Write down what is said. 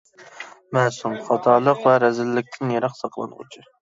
مەسۇم : خاتالىق ۋە رەزىللىكتىن يىراق، ساقلانغۇچى.